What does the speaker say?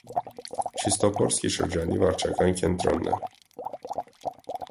Չիստոպոլսկի շրջանի վարչական կենտրոնն է։